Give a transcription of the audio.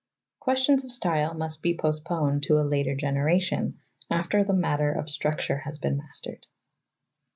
Questions of style must be postponed to a later generation, after the matter of structure has been mastered.